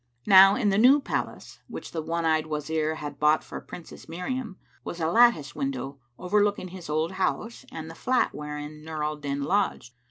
Now in the new palace, which the one eyed Wazir had bought for Princess Miriam, was a lattice window overlooking his old house and the flat wherein Nur al Din lodged.